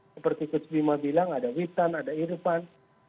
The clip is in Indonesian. seperti coach bima bilang ada witan ada irfan